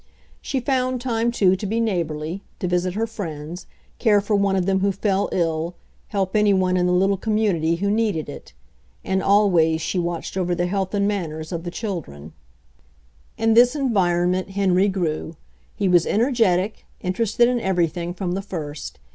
She found time, too, to be neighborly, to visit her friends, care for one of them who fell ill, help any one in the little community who needed it. And always she watched over the health and manners of the children. 6 HENRY FORD'S OWN STORY ri In this environment Henry grew. He was en ergetic, interested in everything, from the first.